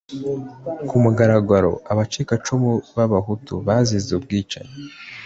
ku mugaragaro abacikacumu b'Abahutu bazize ubwicanyi